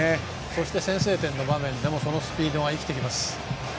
そして先制の場面でもそのスピードが生きてきます。